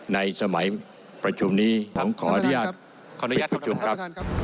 ในสมัยประชุมนี้ผมขออนุญาตปิดประชุมครับ